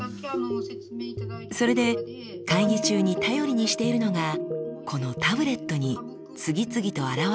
それで会議中に頼りにしているのがこのタブレットに次々とあらわれる文字です。